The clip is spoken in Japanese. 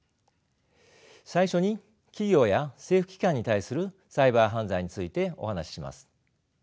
最初に企業や政府機関に対するサイバー犯罪についてお話しします。